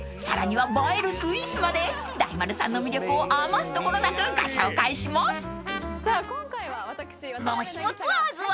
［さらには映えるスイーツまで大丸さんの魅力を余すところなくご紹介します］